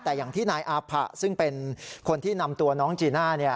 แต่อย่างที่นายอาผะซึ่งเป็นคนที่นำตัวน้องจีน่า